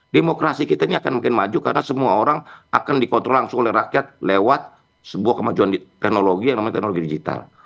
demokrasi kita ini akan makin maju karena semua orang akan dikontrol langsung oleh rakyat lewat sebuah kemajuan teknologi yang namanya teknologi digital